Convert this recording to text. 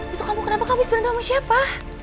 itu kamu kenapa kamu sebenernya sama siapa